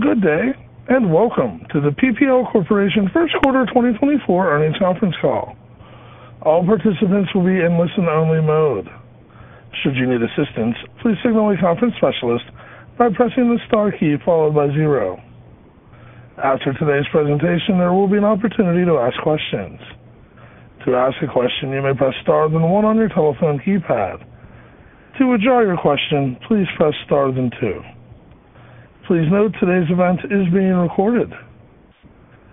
Good day and welcome to the PPL Corporation first quarter 2024 earnings conference call. All participants will be in listen-only mode. Should you need assistance, please signal a conference specialist by pressing the star key followed by zero. After today's presentation, there will be an opportunity to ask questions. To ask a question, you may press star then one on your telephone keypad. To withdraw your question, please press star then two. Please note today's event is being recorded.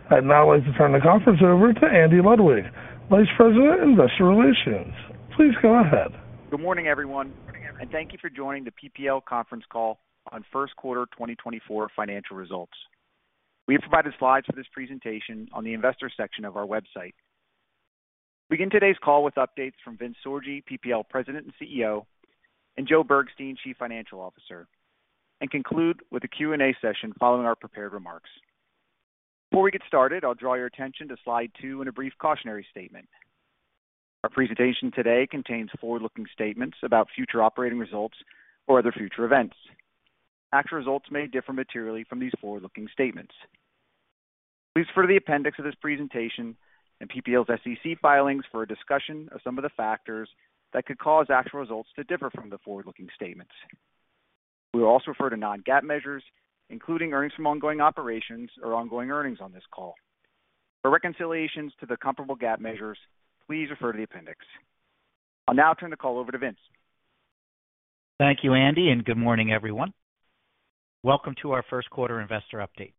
I'd now like to turn the conference over to Andy Ludwig, Vice President Investor Relations. Please go ahead. Good morning everyone, and thank you for joining the PPL conference call on first quarter 2024 financial results. We have provided slides for this presentation on the investor section of our website. We begin today's call with updates from Vince Sorgi, PPL President and CEO, and Joe Bergstein, Chief Financial Officer, and conclude with a Q&A session following our prepared remarks. Before we get started, I'll draw your attention to slide 2 and a brief cautionary statement. Our presentation today contains forward-looking statements about future operating results or other future events. Actual results may differ materially from these forward-looking statements. Please refer to the appendix of this presentation and PPL's SEC filings for a discussion of some of the factors that could cause actual results to differ from the forward-looking statements. We will also refer to non-GAAP measures, including earnings from ongoing operations or ongoing earnings on this call. For reconciliations to the comparable GAAP measures, please refer to the appendix. I'll now turn the call over to Vince. Thank you Andy, and good morning everyone. Welcome to our first quarter investor update.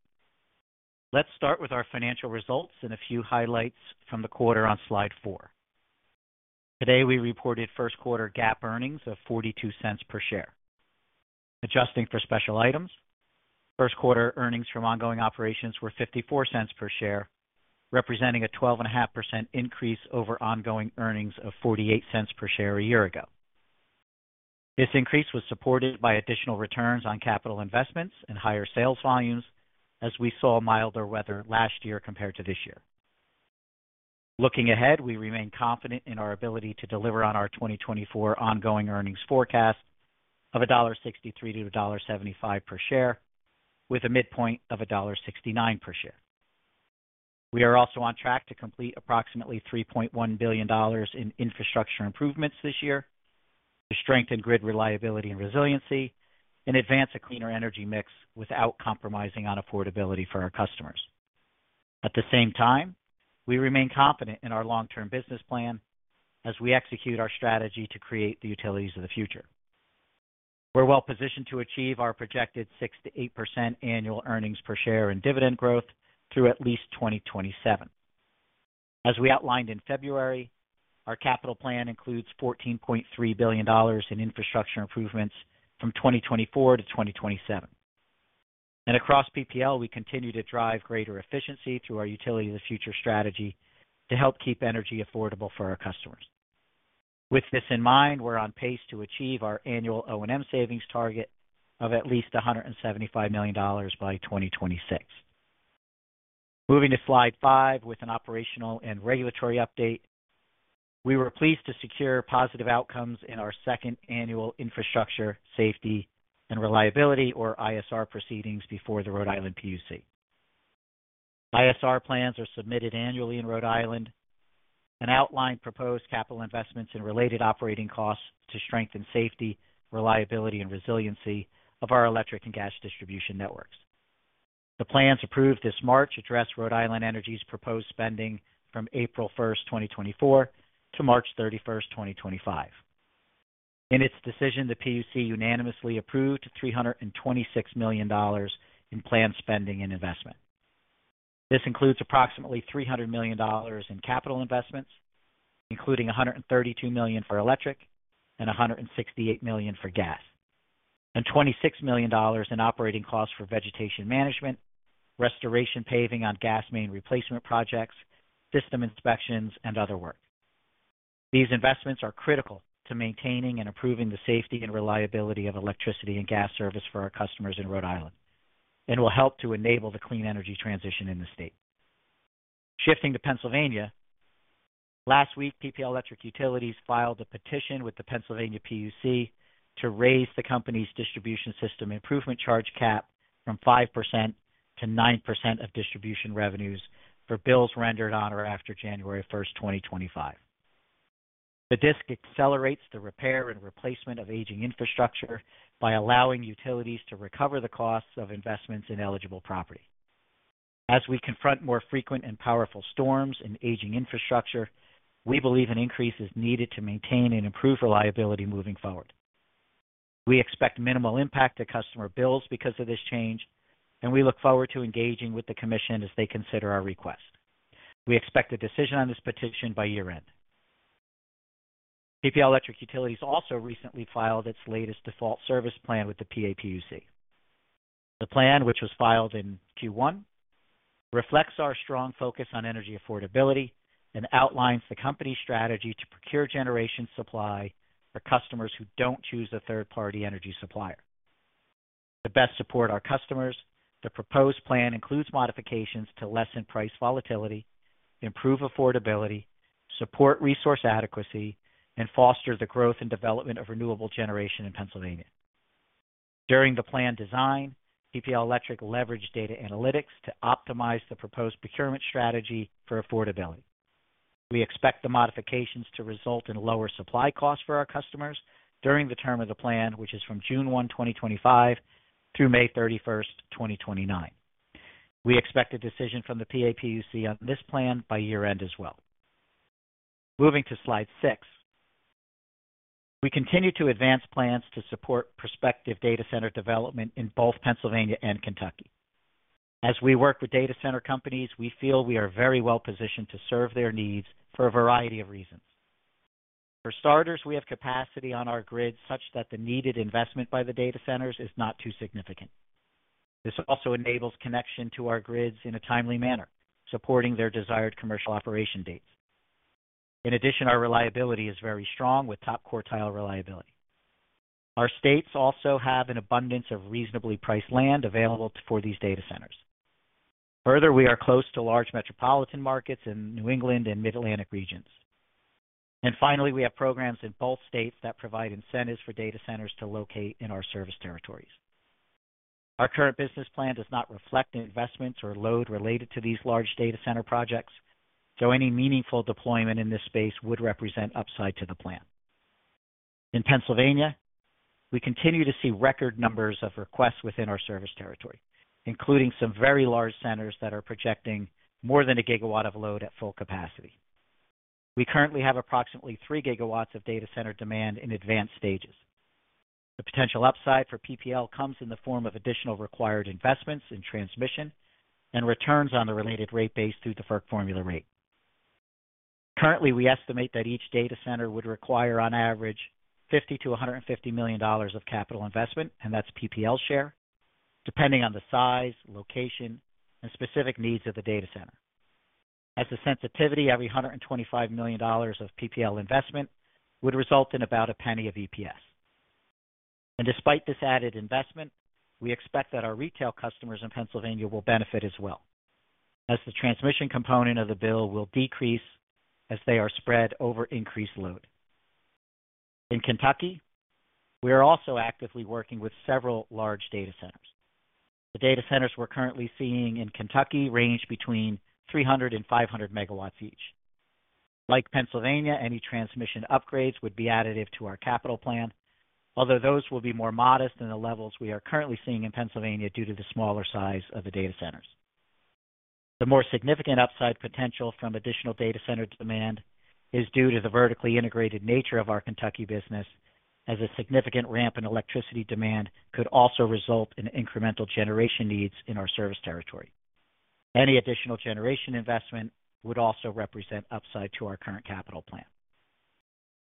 Let's start with our financial results and a few highlights from the quarter on slide 4. Today, we reported first quarter GAAP earnings of $0.42 per share. Adjusting for special items, first quarter earnings from ongoing operations were $0.54 per share, representing a 12.5% increase over ongoing earnings of $0.48 per share a year ago. This increase was supported by additional returns on capital investments and higher sales volumes, as we saw milder weather last year compared to this year. Looking ahead, we remain confident in our ability to deliver on our 2024 ongoing earnings forecast of $1.63-$1.75 per share, with a midpoint of $1.69 per share. We are also on track to complete approximately $3.1 billion in infrastructure improvements this year to strengthen grid reliability and resiliency and advance a cleaner energy mix without compromising on affordability for our customers. At the same time, we remain confident in our long-term business plan as we execute our strategy to create the Utilities of the Future. We're well positioned to achieve our projected 6%-8% annual earnings per share in dividend growth through at least 2027. As we outlined in February, our capital plan includes $14.3 billion in infrastructure improvements from 2024-2027. Across PPL, we continue to drive greater efficiency through our Utility of the Future strategy to help keep energy affordable for our customers. With this in mind, we're on pace to achieve our annual O&M savings target of at least $175 million by 2026. Moving to slide 5 with an operational and regulatory update, we were pleased to secure positive outcomes in our second annual Infrastructure Safety and Reliability, or ISR, proceedings before the Rhode Island PUC. ISR plans are submitted annually in Rhode Island and outline proposed capital investments and related operating costs to strengthen safety, reliability, and resiliency of our electric and gas distribution networks. The plans approved this March address Rhode Island Energy's proposed spending from April 1st, 2024, to March 31st, 2025. In its decision, the PUC unanimously approved $326 million in planned spending and investment. This includes approximately $300 million in capital investments, including $132 million for electric and $168 million for gas, and $26 million in operating costs for vegetation management, restoration paving on gas main replacement projects, system inspections, and other work. These investments are critical to maintaining and improving the safety and reliability of electricity and gas service for our customers in Rhode Island and will help to enable the clean energy transition in the state. Shifting to Pennsylvania, last week, PPL Electric Utilities filed a petition with the Pennsylvania PUC to raise the company's Distribution System Improvement Charge cap from 5%-9% of distribution revenues for bills rendered on or after January 1, 2025. The DSIC accelerates the repair and replacement of aging infrastructure by allowing utilities to recover the costs of investments in eligible property. As we confront more frequent and powerful storms in aging infrastructure, we believe an increase is needed to maintain and improve reliability moving forward. We expect minimal impact to customer bills because of this change, and we look forward to engaging with the commission as they consider our request. We expect a decision on this petition by year-end. PPL Electric Utilities also recently filed its latest Default Service Plan with the PAPUC. The plan, which was filed in Q1, reflects our strong focus on energy affordability and outlines the company's strategy to procure generation supply for customers who don't choose a third-party energy supplier to best support our customers. The proposed plan includes modifications to lessen price volatility, improve affordability, support resource adequacy, and foster the growth and development of renewable generation in Pennsylvania. During the plan design, PPL Electric leveraged data analytics to optimize the proposed procurement strategy for affordability. We expect the modifications to result in lower supply costs for our customers during the term of the plan, which is from June 1, 2025, through May 31, 2029. We expect a decision from the PAPUC on this plan by year-end as well. Moving to slide 6, we continue to advance plans to support prospective data center development in both Pennsylvania and Kentucky. As we work with data center companies, we feel we are very well positioned to serve their needs for a variety of reasons. For starters, we have capacity on our grid such that the needed investment by the data centers is not too significant. This also enables connection to our grids in a timely manner, supporting their desired commercial operation dates. In addition, our reliability is very strong, with top quartile reliability. Our states also have an abundance of reasonably priced land available for these data centers. Further, we are close to large metropolitan markets in New England and Mid-Atlantic regions. Finally, we have programs in both states that provide incentives for data centers to locate in our service territories. Our current business plan does not reflect investments or load related to these large data center projects, so any meaningful deployment in this space would represent upside to the plan. In Pennsylvania, we continue to see record numbers of requests within our service territory, including some very large centers that are projecting more than 1 GW of load at full capacity. We currently have approximately 3 GW of data center demand in advanced stages. The potential upside for PPL comes in the form of additional required investments in transmission and returns on the related rate base through the FERC formula rate. Currently, we estimate that each data center would require, on average, $50-$150 million of capital investment, and that's PPL's share, depending on the size, location, and specific needs of the data center. As a sensitivity, every $125 million of PPL investment would result in about a penny of EPS. Despite this added investment, we expect that our retail customers in Pennsylvania will benefit as well, as the transmission component of the bill will decrease as they are spread over increased load. In Kentucky, we are also actively working with several large data centers. The data centers we're currently seeing in Kentucky range between 300-500 MW each. Like Pennsylvania, any transmission upgrades would be additive to our capital plan, although those will be more modest than the levels we are currently seeing in Pennsylvania due to the smaller size of the data centers. The more significant upside potential from additional data center demand is due to the vertically integrated nature of our Kentucky business, as a significant ramp in electricity demand could also result in incremental generation needs in our service territory. Any additional generation investment would also represent upside to our current capital plan.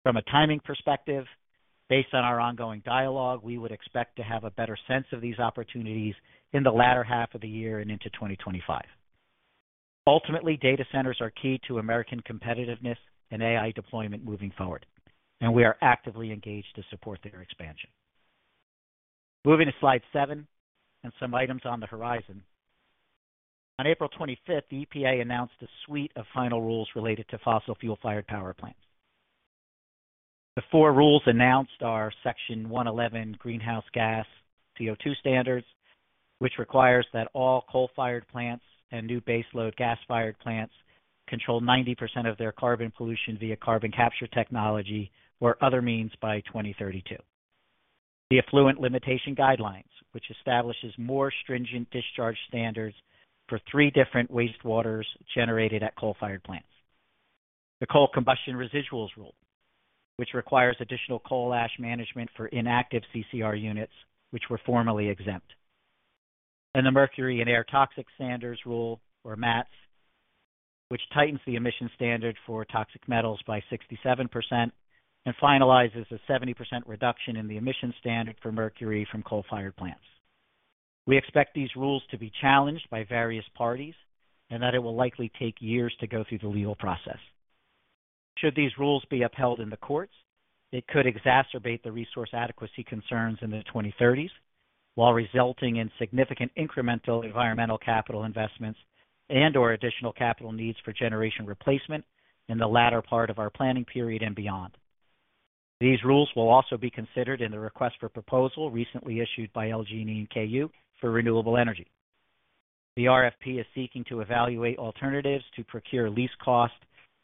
From a timing perspective, based on our ongoing dialogue, we would expect to have a better sense of these opportunities in the latter half of the year and into 2025. Ultimately, data centers are key to American competitiveness and AI deployment moving forward, and we are actively engaged to support their expansion. Moving to slide 7 and some items on the horizon, on April 25, the EPA announced a suite of final rules related to fossil fuel-fired power plants. The four rules announced are Section 111 Greenhouse Gas CO2 Standards, which requires that all coal-fired plants and new baseload gas-fired plants control 90% of their carbon pollution via carbon capture technology or other means by 2032, the Effluent Limitation Guidelines, which establishes more stringent discharge standards for three different wastewaters generated at coal-fired plants, the Coal Combustion Residuals Rule, which requires additional coal ash management for inactive CCR units, which were formerly exempt, and the Mercury and Air Toxics Standards Rule, or MATS, which tightens the emission standard for toxic metals by 67% and finalizes a 70% reduction in the emission standard for mercury from coal-fired plants. We expect these rules to be challenged by various parties and that it will likely take years to go through the legal process. Should these rules be upheld in the courts, it could exacerbate the resource adequacy concerns in the 2030s while resulting in significant incremental environmental capital investments and/or additional capital needs for generation replacement in the latter part of our planning period and beyond. These rules will also be considered in the request for proposal recently issued by LG&E and KU for renewable energy. The RFP is seeking to evaluate alternatives to procure least-cost,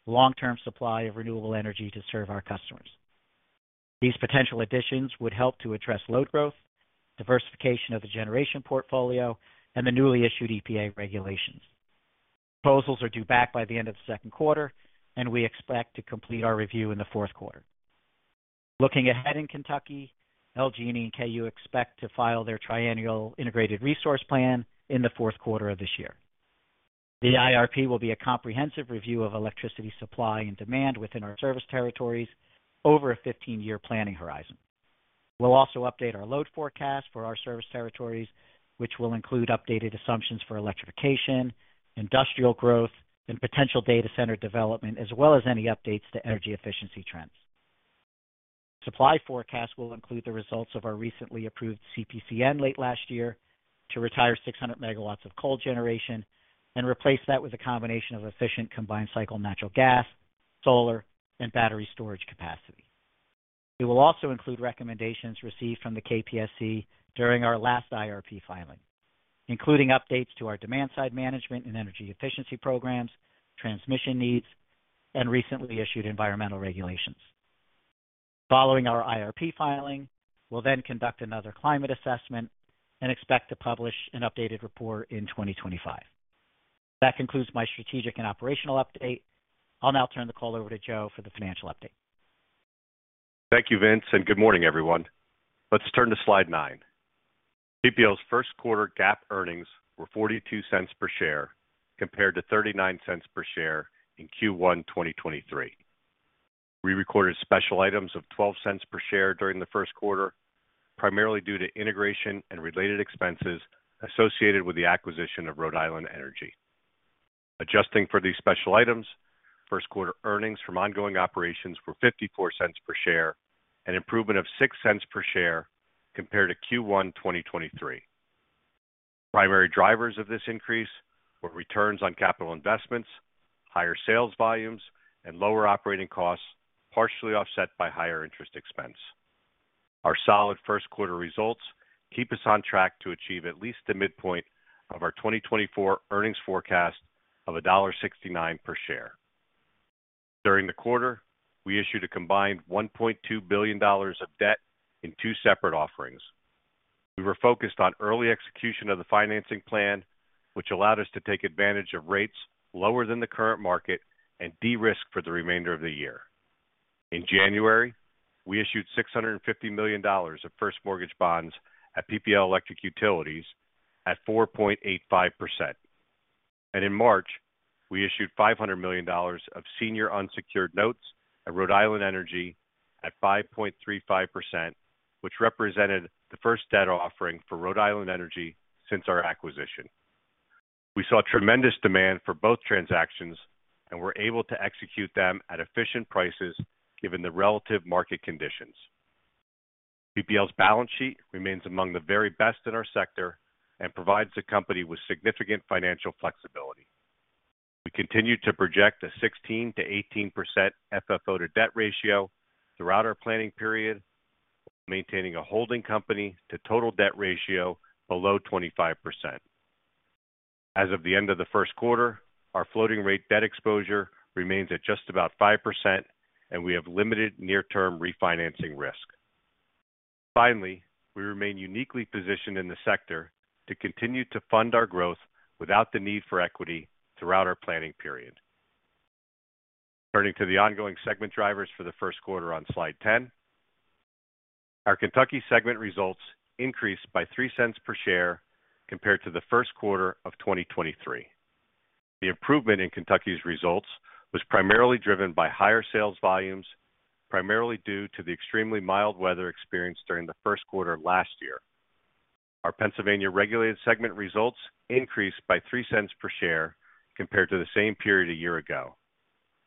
long-term supply of renewable energy to serve our customers. These potential additions would help to address load growth, diversification of the generation portfolio, and the newly issued EPA regulations. Proposals are due back by the end of the second quarter, and we expect to complete our review in the fourth quarter. Looking ahead in Kentucky, LG&E and KU expect to file their Triennial Integrated Resource Plan in the fourth quarter of this year. The IRP will be a comprehensive review of electricity supply and demand within our service territories over a 15-year planning horizon. We'll also update our load forecast for our service territories, which will include updated assumptions for electrification, industrial growth, and potential data center development, as well as any updates to energy efficiency trends. Supply forecasts will include the results of our recently approved CPCN late last year to retire 600 MW of coal generation and replace that with a combination of efficient combined-cycle natural gas, solar, and battery storage capacity. It will also include recommendations received from the KPSC during our last IRP filing, including updates to our demand-side management and energy efficiency programs, transmission needs, and recently issued environmental regulations. Following our IRP filing, we'll then conduct another climate assessment and expect to publish an updated report in 2025. That concludes my strategic and operational update. I'll now turn the call over to Joe for the financial update. Thank you, Vince, and good morning, everyone. Let's turn to slide 9. PPL's first quarter GAAP earnings were $0.42 per share compared to $0.39 per share in Q1 2023. We recorded special items of $0.12 per share during the first quarter, primarily due to integration and related expenses associated with the acquisition of Rhode Island Energy. Adjusting for these special items, first quarter earnings from ongoing operations were $0.54 per share and an improvement of $0.06 per share compared to Q1 2023. Primary drivers of this increase were returns on capital investments, higher sales volumes, and lower operating costs, partially offset by higher interest expense. Our solid first quarter results keep us on track to achieve at least the midpoint of our 2024 earnings forecast of $1.69 per share. During the quarter, we issued a combined $1.2 billion of debt in two separate offerings. We were focused on early execution of the financing plan, which allowed us to take advantage of rates lower than the current market and de-risk for the remainder of the year. In January, we issued $650 million of first mortgage bonds at PPL Electric Utilities at 4.85%. In March, we issued $500 million of senior unsecured notes at Rhode Island Energy at 5.35%, which represented the first debt offering for Rhode Island Energy since our acquisition. We saw tremendous demand for both transactions and were able to execute them at efficient prices given the relative market conditions. PPL's balance sheet remains among the very best in our sector and provides the company with significant financial flexibility. We continue to project a 16%-18% FFO to debt ratio throughout our planning period, while maintaining a holding company to total debt ratio below 25%. As of the end of the first quarter, our floating-rate debt exposure remains at just about 5%, and we have limited near-term refinancing risk. Finally, we remain uniquely positioned in the sector to continue to fund our growth without the need for equity throughout our planning period. Turning to the ongoing segment drivers for the first quarter on slide 10, our Kentucky segment results increased by $0.03 per share compared to the first quarter of 2023. The improvement in Kentucky's results was primarily driven by higher sales volumes, primarily due to the extremely mild weather experienced during the first quarter last year. Our Pennsylvania regulated segment results increased by $0.03 per share compared to the same period a year ago.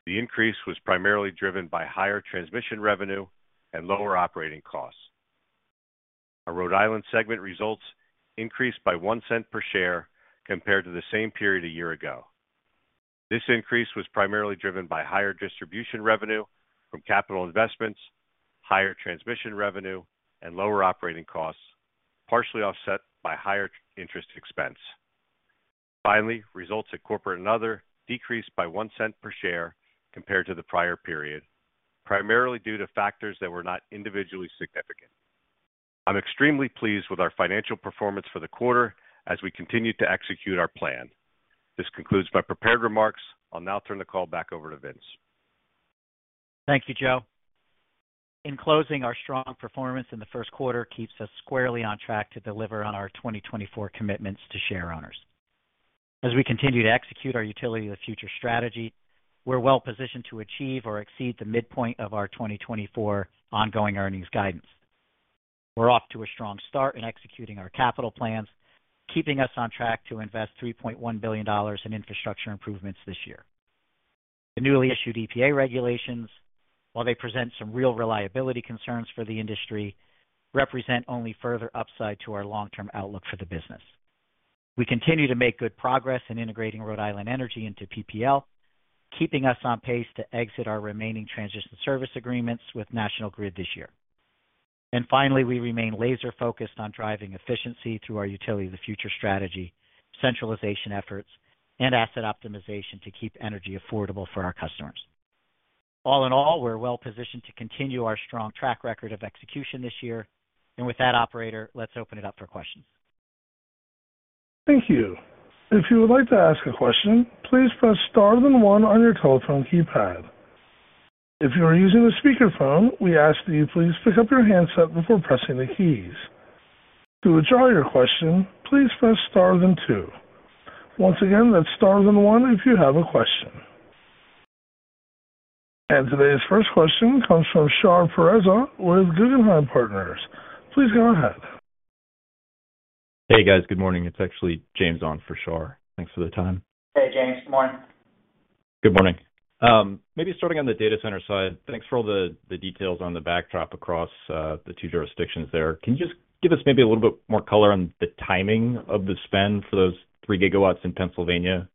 The increase was primarily driven by higher transmission revenue and lower operating costs. Our Rhode Island segment results increased by $0.01 per share compared to the same period a year ago. This increase was primarily driven by higher distribution revenue from capital investments, higher transmission revenue, and lower operating costs, partially offset by higher interest expense. Finally, results at corporate and other decreased by $0.01 per share compared to the prior period, primarily due to factors that were not individually significant. I'm extremely pleased with our financial performance for the quarter as we continue to execute our plan. This concludes my prepared remarks. I'll now turn the call back over to Vince. Thank you, Joe. In closing, our strong performance in the first quarter keeps us squarely on track to deliver on our 2024 commitments to shareholders. As we continue to execute our Utility of the Future strategy, we're well positioned to achieve or exceed the midpoint of our 2024 ongoing earnings guidance. We're off to a strong start in executing our capital plans, keeping us on track to invest $3.1 billion in infrastructure improvements this year. The newly issued EPA regulations, while they present some real reliability concerns for the industry, represent only further upside to our long-term outlook for the business. We continue to make good progress in integrating Rhode Island Energy into PPL, keeping us on pace to exit our remaining transition service agreements with National Grid this year. And finally, we remain laser-focused on driving efficiency through our Utility of the Future strategy, centralization efforts, and asset optimization to keep energy affordable for our customers. All in all, we're well positioned to continue our strong track record of execution this year. And with that, operator, let's open it up for questions. Thank you. If you would like to ask a question, please press star, then one on your telephone keypad. If you are using a speakerphone, we ask that you please pick up your handset before pressing the keys. To withdraw your question, please press star, then two. Once again, that's star, then one if you have a question. Today's first question comes from Shar Pourreza with Guggenheim Partners. Please go ahead. Hey guys good morning. It's actually James on for Shar. Thanks for the time. Hey James good morning. Good morning. Maybe starting on the data center side, thanks for all the details on the backdrop across the two jurisdictions there. Can you just give us maybe a little bit more color on the timing of the spend for those 3 GW in Pennsylvania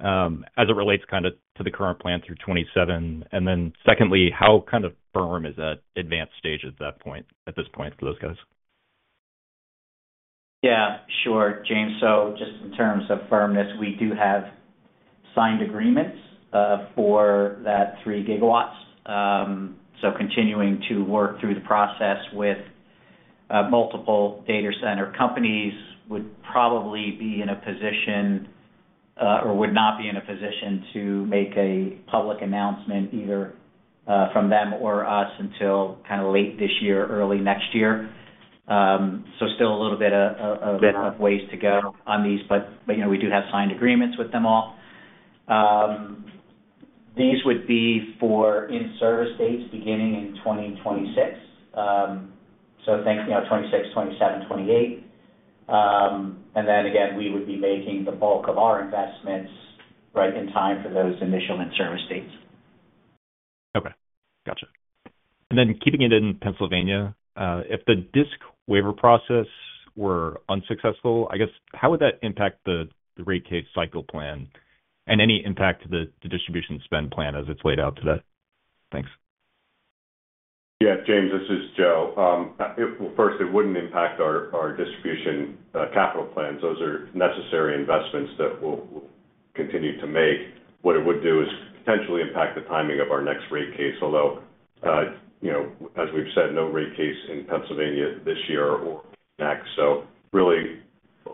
as it relates kind of to the current plan through 2027? And then secondly, how kind of firm is that advanced stage at this point for those guys? Yeah sure James. So just in terms of firmness, we do have signed agreements for that 3 gigawatts. So continuing to work through the process with multiple data center companies would probably be in a position or would not be in a position to make a public announcement either from them or us until kind of late this year, early next year. So still a little bit of ways to go on these, but we do have signed agreements with them all. These would be for in-service dates beginning in 2026, so 2026, 2027, 2028. And then again, we would be making the bulk of our investments right in time for those initial in-service dates. Okay gotcha. And then keeping it in Pennsylvania, if the DSIC waiver process were unsuccessful, I guess, how would that impact the rate case cycle plan and any impact to the distribution spend plan as it's laid out today? Thanks. Yeah James this is Joe. Well, first, it wouldn't impact our distribution capital plan. Those are necessary investments that we'll continue to make. What it would do is potentially impact the timing of our next rate case, although, as we've said, no rate case in Pennsylvania this year or next. So really,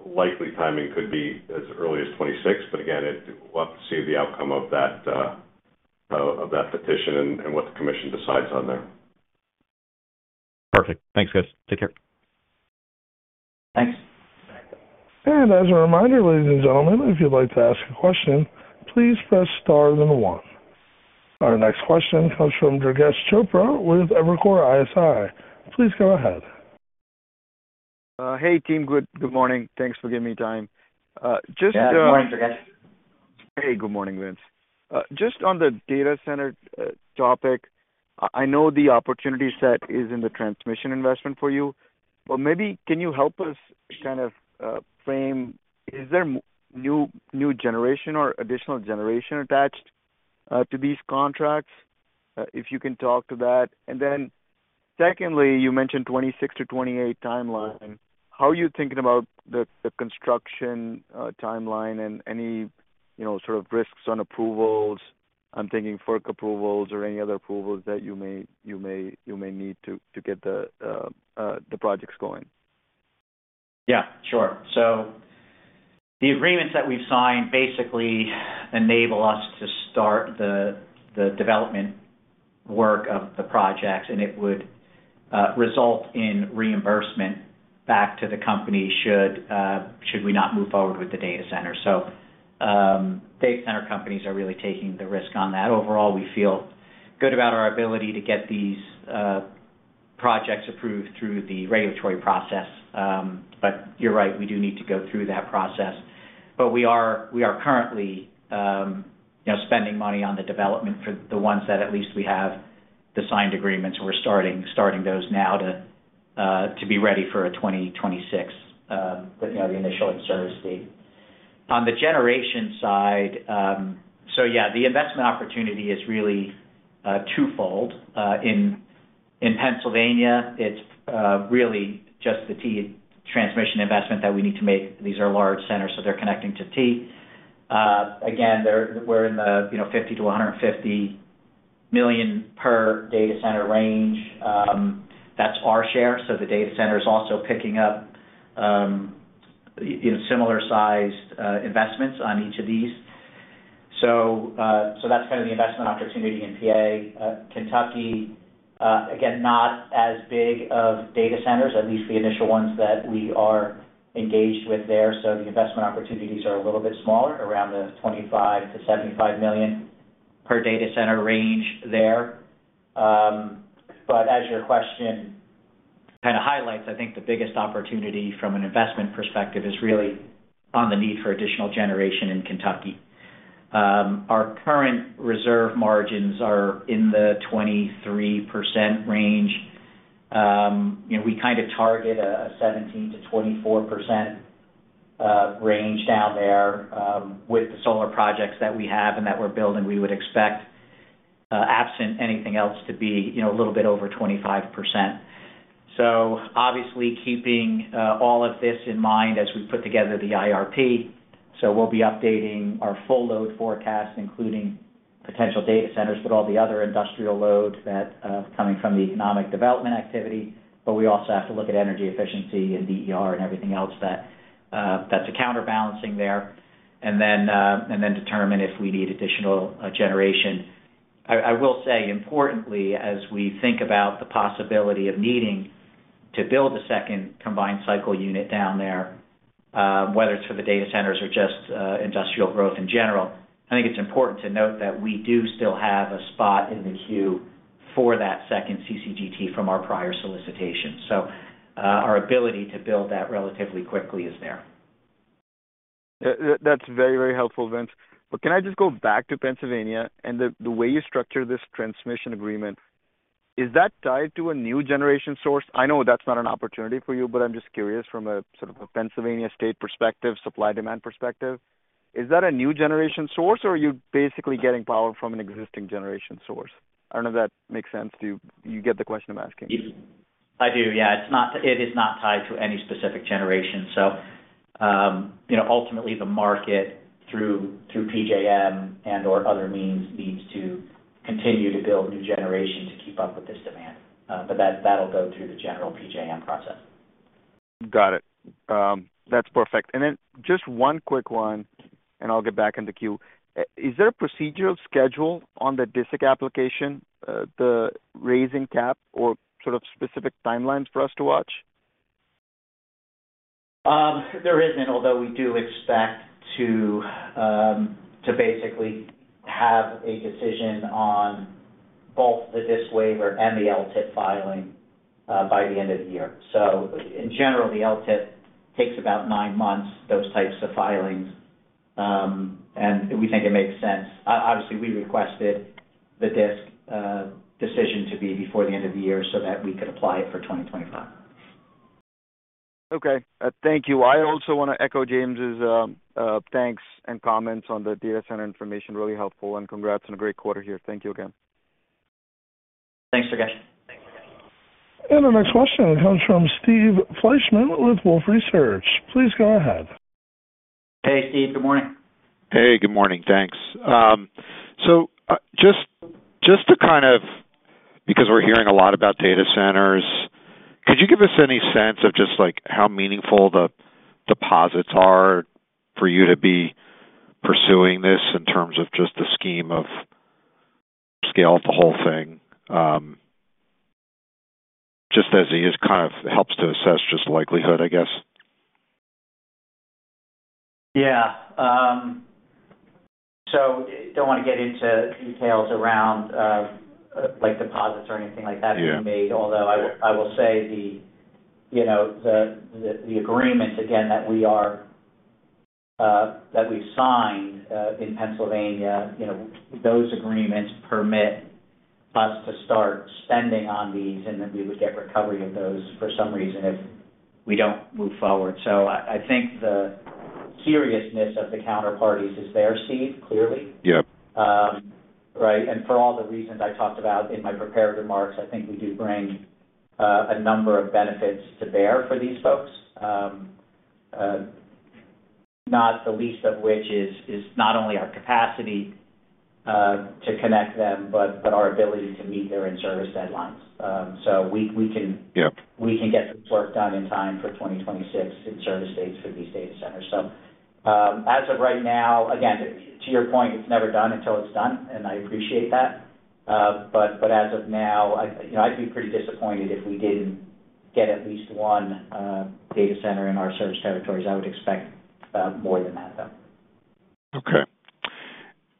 likely timing could be as early as 2026. But again, we'll have to see the outcome of that petition and what the commission decides on there. Perfect thanks guys take care. Thanks. As a reminder, ladies and gentlemen, if you'd like to ask a question, please press star, then one. Our next question comes from Durgesh Chopra with Evercore ISI please go ahead. Hey team good morning. Thanks for giving me time. Just. Yeah good morning Durgesh. Hey good morning Vince. Just on the data center topic, I know the opportunity set is in the transmission investment for you, but maybe can you help us kind of frame is there new generation or additional generation attached to these contracts, if you can talk to that? And then secondly, you mentioned 2026-2028 timeline. How are you thinking about the construction timeline and any sort of risks on approvals? I'm thinking FERC approvals or any other approvals that you may need to get the projects going. Yeah, sure. So the agreements that we've signed basically enable us to start the development work of the projects, and it would result in reimbursement back to the company should we not move forward with the data center. So data center companies are really taking the risk on that. Overall, we feel good about our ability to get these projects approved through the regulatory process. But you're right, we do need to go through that process. But we are currently spending money on the development for the ones that at least we have the signed agreements, and we're starting those now to be ready for a 2026, the initial in-service date. On the generation side, so yeah, the investment opportunity is really twofold. In Pennsylvania, it's really just the T transmission investment that we need to make. These are large centers, so they're connecting to T. Again, we're in the $50 million-$150 million per data center range. That's our share. So the data center is also picking up similar-sized investments on each of these. So that's kind of the investment opportunity in PA. Kentucky, again, not as big of data centers, at least the initial ones that we are engaged with there. So the investment opportunities are a little bit smaller, around the $25 million-$75 million per data center range there. But as your question kind of highlights, I think the biggest opportunity from an investment perspective is really on the need for additional generation in Kentucky. Our current reserve margins are in the 23% range. We kind of target a 17%-24% range down there with the solar projects that we have and that we're building. We would expect, absent anything else, to be a little bit over 25%. So obviously, keeping all of this in mind as we put together the IRP, so we'll be updating our full load forecast, including potential data centers, but all the other industrial load coming from the economic development activity. But we also have to look at energy efficiency and DER and everything else that's a counterbalancing there and then determine if we need additional generation. I will say, importantly, as we think about the possibility of needing to build a second combined cycle unit down there, whether it's for the data centers or just industrial growth in general, I think it's important to note that we do still have a spot in the queue for that second CCGT from our prior solicitation. So our ability to build that relatively quickly is there. That's very, very helpful, Vince. But can I just go back to Pennsylvania and the way you structure this transmission agreement? Is that tied to a new generation source? I know that's not an opportunity for you, but I'm just curious from a sort of a Pennsylvania state perspective, supply-demand perspective. Is that a new generation source, or are you basically getting power from an existing generation source? I don't know if that makes sense. Do you get the question I'm asking? I do. Yeah, it is not tied to any specific generation. So ultimately, the market through PJM and/or other means needs to continue to build new generation to keep up with this demand. But that'll go through the general PJM process. Got it that's perfect. And then just one quick one, and I'll get back into queue. Is there a procedural schedule on the DSIC application, the raising cap, or sort of specific timelines for us to watch? There isn't, although we do expect to basically have a decision on both the DSIC waiver and the LTIP filing by the end of the year. In general, the LTIP takes about nine months, those types of filings. We think it makes sense. Obviously, we requested the DSIC decision to be before the end of the year so that we could apply it for 2025. Okay thank you. I also want to echo James's thanks and comments on the data center information. Really helpful. Congrats on a great quarter here. Thank you again. Thanks Durgesh. The next question comes from Steve Fleischman with Wolfe Research please go ahead. Hey Steve good morning. Hey good morning thanks. So just to kind of because we're hearing a lot about data centers, could you give us any sense of just how meaningful the deposits are for you to be pursuing this in terms of just the sheer scale of the whole thing, just as it kind of helps to assess just likelihood, I guess? Yeah. So I don't want to get into details around deposits or anything like that being made, although I will say the agreements, again, that we've signed in Pennsylvania, those agreements permit us to start spending on these, and then we would get recovery of those for some reason if we don't move forward. So I think the seriousness of the counterparties is there, Steve, clearly, right? And for all the reasons I talked about in my prepared remarks, I think we do bring a number of benefits to bear for these folks, not the least of which is not only our capacity to connect them but our ability to meet their in-service deadlines. So we can get this work done in time for 2026 in-service dates for these data centers. So as of right now, again, to your point, it's never done until it's done, and I appreciate that. But as of now, I'd be pretty disappointed if we didn't get at least one data center in our service territories. I would expect more than that, though. Okay.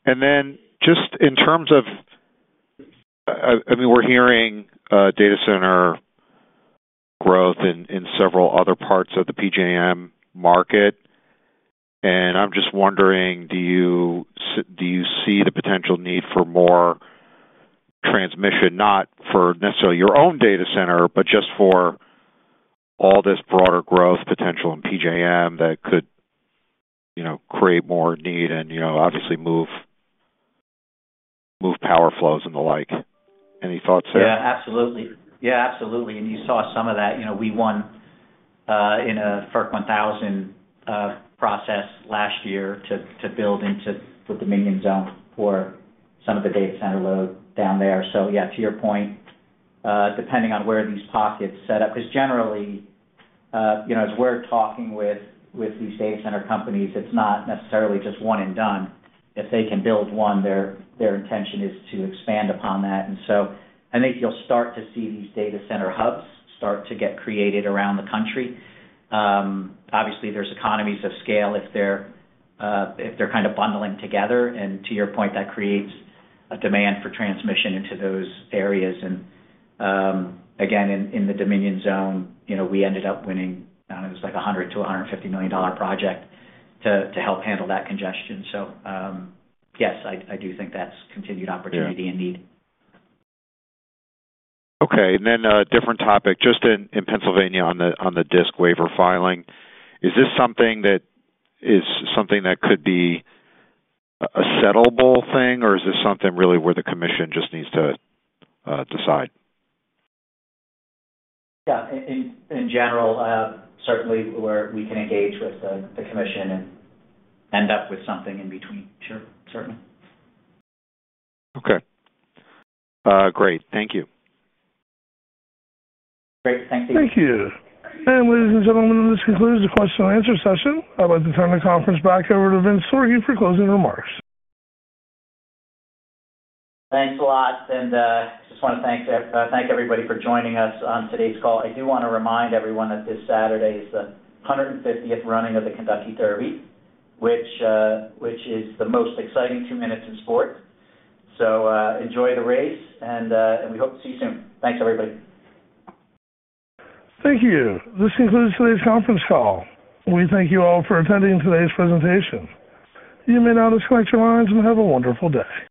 And then just in terms of I mean, we're hearing data center growth in several other parts of the PJM market. And I'm just wondering, do you see the potential need for more transmission, not for necessarily your own data center, but just for all this broader growth potential in PJM that could create more need and obviously move power flows and the like? Any thoughts there? Yeah, absolutely. Yeah, absolutely. And you saw some of that. We won in a FERC 1000 process last year to build into the Dominion Zone for some of the data center load down there. So yeah, to your point, depending on where these pockets set up because generally, as we're talking with these data center companies, it's not necessarily just one and done. If they can build one, their intention is to expand upon that. And so I think you'll start to see these data center hubs start to get created around the country. Obviously, there's economies of scale if they're kind of bundling together. And to your point, that creates a demand for transmission into those areas. And again, in the Dominion Zone, we ended up winning it was like a $100 million-$150 million project to help handle that congestion. Yes, I do think that's continued opportunity and need. Okay. Then a different topic, just in Pennsylvania on the DSIC waiver filing. Is this something that could be a settleable thing, or is this something really where the commission just needs to decide? Yeah. In general, certainly, we can engage with the commission and end up with something in between, sure, certainly. Okay great thank you. Great thanks Steve. Thank you. Ladies and gentlemen, this concludes the question-and-answer session. I'd like to turn the conference back over to Vince Sorgi for closing remarks. Thanks a lot. I just want to thank everybody for joining us on today's call. I do want to remind everyone that this Saturday is the 150th running of the Kentucky Derby, which is the most exciting two minutes in sports. So enjoy the race, and we hope to see you soon thanks everybody. Thank you. This concludes today's conference call. We thank you all for attending today's presentation. You may now disconnect your lines and have a wonderful day.